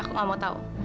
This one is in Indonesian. aku gak mau tahu